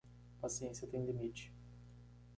Paciência tem limite